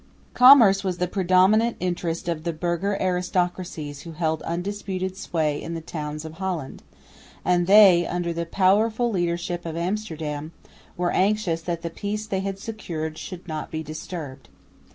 Commerce was the predominant interest of the burgher aristocracies who held undisputed sway in the towns of Holland; and they, under the powerful leadership of Amsterdam, were anxious that the peace they had secured should not be disturbed.